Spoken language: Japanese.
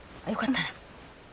よかったら。